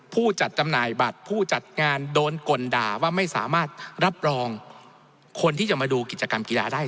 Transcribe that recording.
ผู้จัดจำหน่ายบัตรผู้จัดงานโดนกลด่าว่าไม่สามารถรับรองคนที่จะมาดูกิจกรรมกีฬาได้